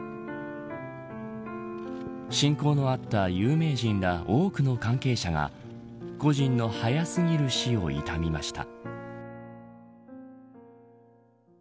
親交のあった有名人ら多くの関係者が故人の早すぎる死を悼みました。